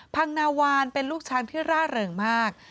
พังนาวานเป็นลูกช้างที่ร่าเริงมาก